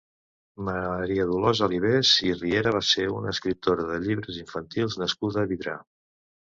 Maria Dolors Alibés i Riera va ser una escriptora de llibres infantils nascuda a Vidrà.